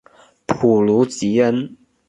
普卢吉恩。